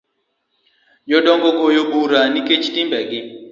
Jodongo ogoyo bura nikech timbeni